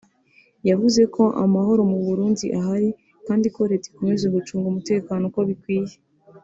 yavuze ko amahoro mu Burundi ahari kandi ko Leta ikomeje gucunga umutekano uko bikwiye